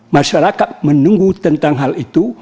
masyarakat menunggu tentang hal itu